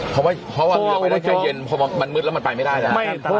เพราะว่าเรือไปได้ใจเย็นพอมันมืดแล้วมันไปไม่ได้แล้ว